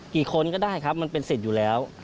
คนก็ได้ครับมันเป็นสิทธิ์อยู่แล้ว